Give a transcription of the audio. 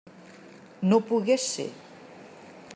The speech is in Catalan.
No pogué ser.